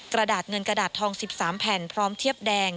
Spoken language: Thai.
กระดาษเงินกระดาษทอง๑๓แผ่นพร้อมเทียบแดง